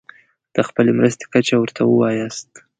د خپلې مرستې کچه ورته ووایاست.